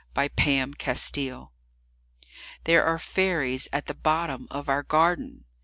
Y Z Fairies THERE are fairies at the bottom of our garden!